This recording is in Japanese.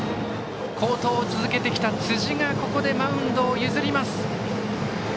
好投を続けてきた辻がマウンドを譲ります。